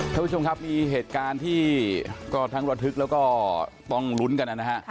ท่านผู้ชมครับมีเหตุการณ์ที่ก็ทั้งระทึกแล้วก็ต้องลุ้นกันนะฮะ